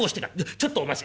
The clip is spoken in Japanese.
ちょっとお待ち。